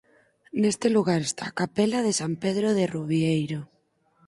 Neste lugar está a capela de San Pedro de Rubieiro.